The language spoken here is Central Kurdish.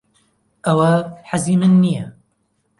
ئەوە حەزی من نییە.